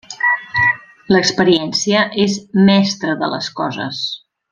L'experiència és mestre de les coses.